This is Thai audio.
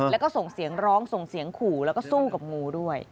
แล้วก็ส่งเสียงร้องส่งเสียงขู่แล้วก็สู้กับงูด้วย